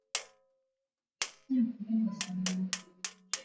Vifaa vya kuvua vya uvuvi vinaweza pia kuharibu miamba